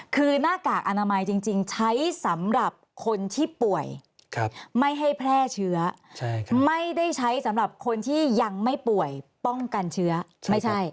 คือหน้ากากอนามัยจริงใช้สำหรับคนที่ป่วยไม่ให้แพร่เชื้อไม่ได้ใช้สำหรับคนที่ยังไม่ป่วยป้องกันเชื้อไม่ใช่